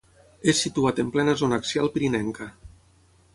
És situat en plena zona axial pirinenca.